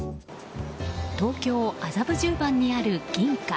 東京・麻布十番にあるぎん香。